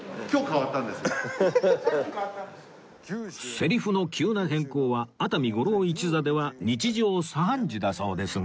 セリフの急な変更は熱海五郎一座では日常茶飯事だそうですが